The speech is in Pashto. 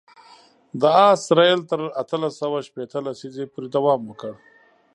د آس رېل تر اتلس سوه شپېته لسیزې پورې دوام وکړ.